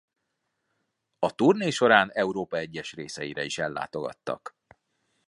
A turné során Európa egyes részeire is ellátogattak.